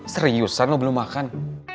seriusan lo belum makan